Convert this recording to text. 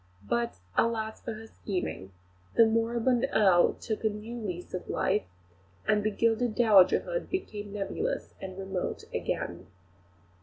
Alas, for her scheming; the moribund Earl took a new lease of life, and the gilded dowagerhood became nebulous and remote again.